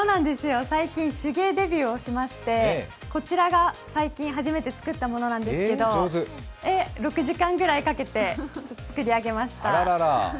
最近、手芸デビューをしまして、こちらが最近初めて作ったものなんですけど６時間ぐらいかけて作り上げました